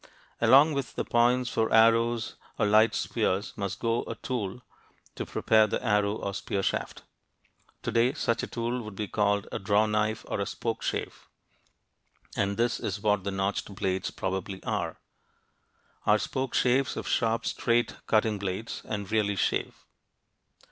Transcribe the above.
Along with the points for arrows or light spears must go a tool to prepare the arrow or spear shaft. Today, such a tool would be called a "draw knife" or a "spoke shave," and this is what the notched blades probably are. Our spoke shaves have sharp straight cutting blades and really "shave."